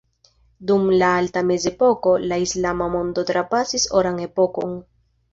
Dum la Alta Mezepoko, la islama mondo trapasis oran epokon.